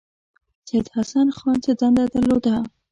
سید حسن خان څه دنده درلوده.